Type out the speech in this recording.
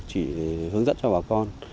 chỉ hướng dẫn cho bà con